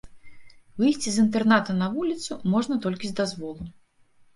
Выйсці з інтэрната на вуліцу можна толькі з дазволу.